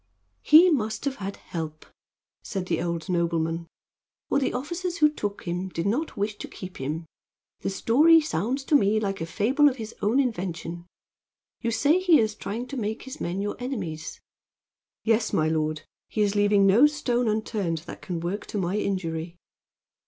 "He must have had help," said the old nobleman, "or the officers who took him did not wish to keep him. The story sounds to me like a fable of his own invention. You say he is trying to make his men your enemies?" "Yes, my lord. He is leaving no stone unturned that can work to my injury."